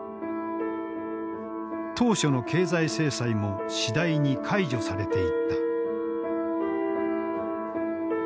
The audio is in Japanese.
当初の経済制裁も次第に解除されていった。